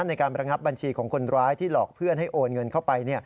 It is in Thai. ในการประงับบัญชีของคนร้ายที่หลอกเพื่อนให้โอนเงินเข้าไป